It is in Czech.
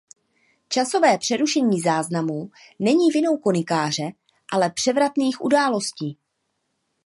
Časové přerušení záznamů není vinou konikáře, ale převratných událostí.